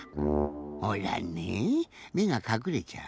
ほらねえめがかくれちゃう。